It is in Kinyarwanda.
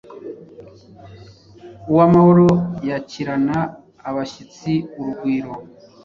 Uwamahoro yakirana abashyitsi urugwiro.